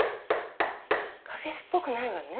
家政婦っぽくないわね。